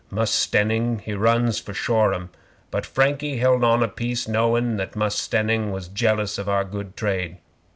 Mus' Stenning he runs for Shoreham, but Frankie held on a piece, knowin' that Mus Stenning was jealous of our good trade.